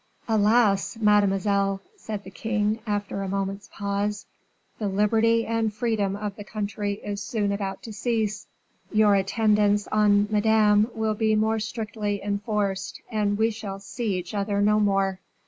"Alas! mademoiselle," said the king, after a moment's pause, "the liberty and freedom of the country is soon about to cease; your attendance on Madame will be more strictly enforced, and we shall see each other no more."